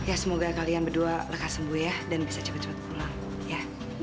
ya semoga kalian berdua lekas sembuh ya dan bisa cepat cepat pulang ya